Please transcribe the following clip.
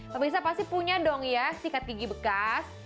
pak mirsa pasti punya dong ya sikat gigi bekas